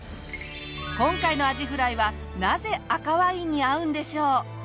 今回のアジフライはなぜ赤ワインに合うんでしょう？